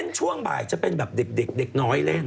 ช่วงบ่ายจะเป็นแบบเด็กน้อยเล่น